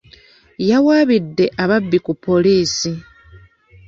Yawaabidde ababbi ku poliisi.